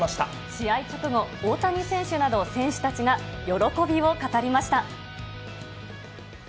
試合直後、大谷選手など選手たちが喜びを語りました。